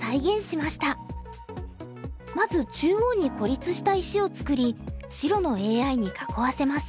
まず中央に孤立した石を作り白のＡＩに囲わせます。